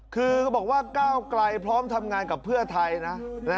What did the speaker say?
คือเขาบอกว่าก้าวไกลพร้อมทำงานกับเพื่อไทยนะ